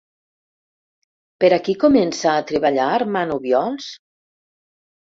Per a qui comença a treballar Armand Obiols?